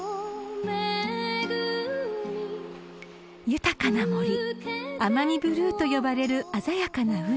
［豊かな森奄美ブルーと呼ばれる鮮やかな海］